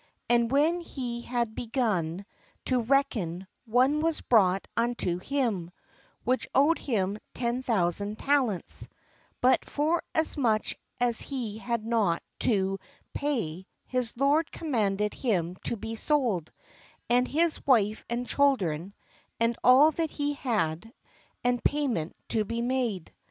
And when he had begun .'.: v ~v*' f ^];:;~,:'..: THE LORD AND THE SERVANTS to reckon, one was brought unto him, which owed him ten thousand talents. But forasmuch as he Had not to pay, his lord commanded him to be sold, and his wife and children, and a'll that he had, and pay ment to be made.